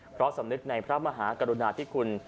เพราะสำนึกในพระมหากรุณาธิคุณ